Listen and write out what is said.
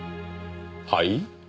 はい？